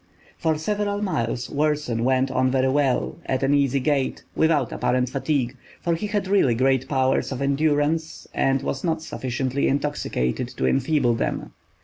For several miles Worson went on very well, at an easy gait, without apparent fatigue, for he had really great powers of endurance and was not sufficiently intoxicated to enfeeble them.